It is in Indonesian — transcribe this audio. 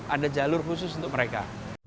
ada jalur khusus untuk mereka